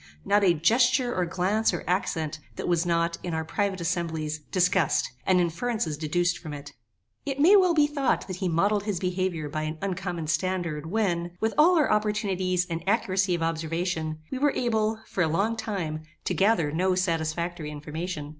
Not a gesture, or glance, or accent, that was not, in our private assemblies, discussed, and inferences deduced from it. It may well be thought that he modelled his behaviour by an uncommon standard, when, with all our opportunities and accuracy of observation, we were able, for a long time, to gather no satisfactory information.